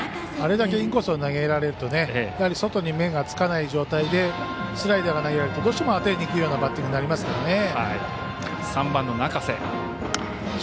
あれだけインコースを投げられると外に目がつかない状態でスライダーが投げられるとどうしても当てにいくようなバッティングになりますから。